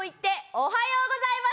おはようございます。